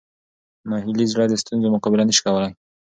ناهیلي زړه د ستونزو مقابله نه شي کولی.